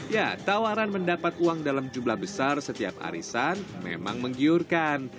ya tawaran mendapat uang dalam jumlah besar setiap arisan memang menggiurkan